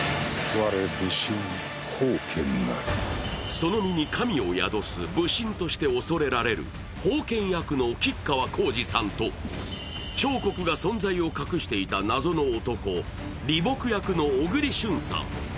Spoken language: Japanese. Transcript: その身に神を宿す武神として恐れられるほうけん役の吉川晃司さんと趙国が存在を隠していた謎の男・李牧役の小栗旬さん。